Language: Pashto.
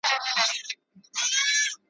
پرون مي د خزان د موسم ,